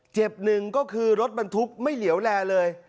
เจ็บหนึ่งก็คือรถบรรทุกไม่เหลียวแลเลย